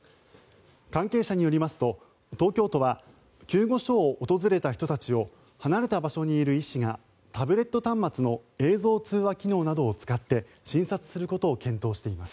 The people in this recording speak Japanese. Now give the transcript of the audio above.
関係者によりますと、東京都は救護所を訪れた人たちを離れた場所にいる医師がタブレット端末の映像通話機能などを使って診察することを検討しています。